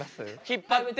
引っ張って。